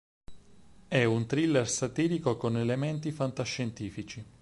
È un thriller satirico con elementi fantascientifici.